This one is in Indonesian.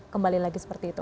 kembali lagi seperti itu